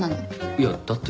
いやだって。